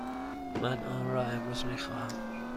من آن را امروز می خواهم.